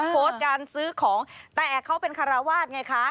โพสต์การซื้อของแต่เขาเป็นคาราวาสไงคะ